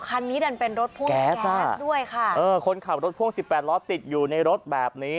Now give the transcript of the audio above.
คันนี้ดันเป็นรถพ่วงแอร์ซัสด้วยค่ะเออคนขับรถพ่วงสิบแปดล้อติดอยู่ในรถแบบนี้